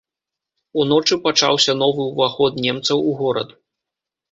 Уночы пачаўся новы ўваход немцаў у горад.